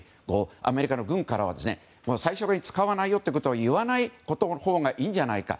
アメリカの軍からは最初から使わないほうがいいと言わないほうがいいんじゃないか。